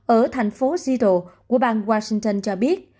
ở thành phố seattle của bang washington cho biết